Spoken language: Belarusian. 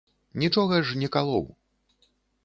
Нічога ж не калоў.